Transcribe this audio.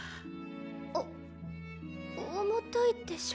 お重たいでしょ。